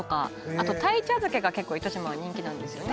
あと鯛茶漬けが結構糸島は人気なんですよね。